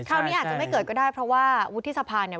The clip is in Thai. คราวนี้อาจจะไม่เกิดก็ได้เพราะว่าวุฒิสภาเนี่ย